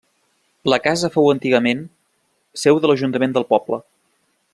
La casa fou, antigament, seu de l'ajuntament del poble.